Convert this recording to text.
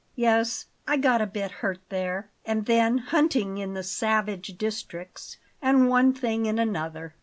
"Yes, I got a bit hurt there; and then hunting in the savage districts and one thing and another."